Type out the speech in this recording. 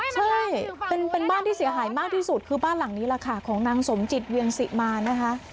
ใช่เป็นบ้านที่เสียหายมากที่สุดคือบ้านหลังนี้แหละค่ะของนางสมจิตเวียงสิมานะคะ